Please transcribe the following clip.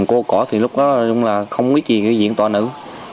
cô cỏ thì lúc đó là không biết gì cái diện tòa nữ